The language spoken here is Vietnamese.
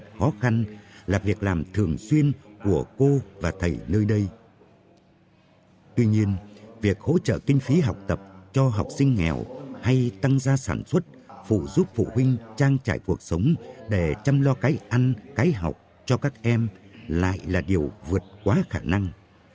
tuy nhiên việc hỗ trợ kinh phí học tập cho học sinh nghèo hay tăng gia sản xuất phụ giúp phụ huynh trang trải cuộc sống để chăm lo cái ăn cái học cho các em lại là điều vượt quá khả năng